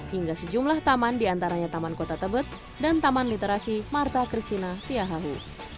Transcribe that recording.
hingga sejumlah taman diantaranya taman kota tebet dan taman literasi marta kristina tiahahu